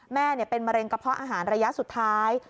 แม่เป็นมะเร็งกระเพาะอาหารระยะสุดท้าย